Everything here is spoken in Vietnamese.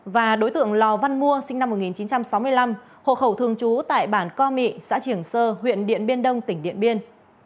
và đối tượng lò văn mua sinh năm một nghìn chín trăm sáu mươi năm hộ khẩu thường trú tại bản co mị xã triển sơ huyện điện biên đông tỉnh điện biên